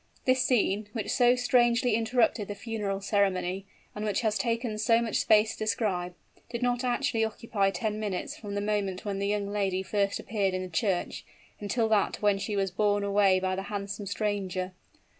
This scene, which so strangely interrupted the funeral ceremony, and which has taken so much space to describe, did not actually occupy ten minutes from the moment when the young lady first appeared in the church, until that when she was borne away by the handsome stranger.